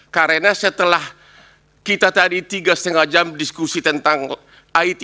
karena setelah kita tadi tiga lima jam diskusi tentang it